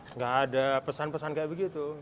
nggak ada pesan pesan kayak begitu